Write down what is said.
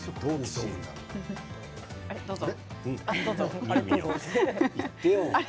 どうぞ。